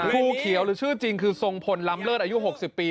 ครูเขียวหรือชื่อจริงคือทรงพลล้ำเลิศอายุ๖๐ปี